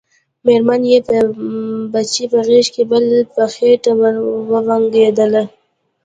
مېرمن يې يو بچی په غېږ کې بل په خېټه وبنګېدله.